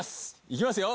いきますよ！